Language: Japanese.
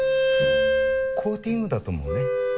コーティングだと思うね。